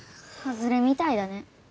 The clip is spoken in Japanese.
外れみたいだね。